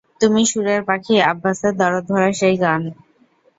তুমি সুরের পাখি আব্বাসের, দরদ ভরা সেই গান।